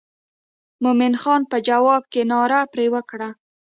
مومن خان په جواب کې ناره پر وکړه.